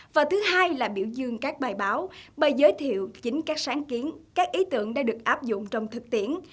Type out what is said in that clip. và thứ hai là biểu dương các bài báo bài giới thiệu chính các sáng kiến các ý tưởng đã được áp dụng trong thực tiễn